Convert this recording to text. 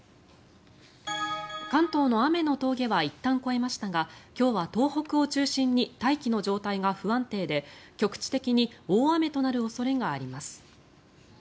関東の雨の峠はいったん越えましたが今日は東北を中心に大気の状態が不安定で局地的に大雨となる恐れがあります。